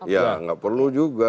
ya nggak perlu juga